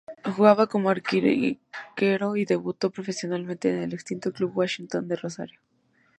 Jugaba como arquero y debutó profesionalmente en el extinto Club Washington de Rosario.